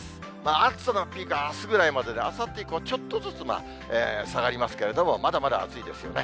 暑さのピークはあすぐらいまでで、あさって以降、ちょっとずつ下がりますけれども、まだまだ暑いですよね。